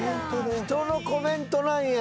人のコメントなんや！